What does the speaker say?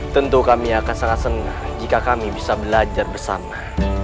tentu kami akan sangat senang jika kami bisa belajar bersama